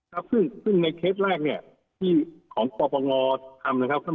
ครับซึ่งในเคสแรกเนี่ยที่ของปปงทำนะครับ